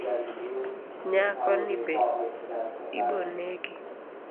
Nyako ni be ibo negi